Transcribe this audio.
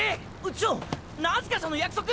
ちょっ何すかその約束！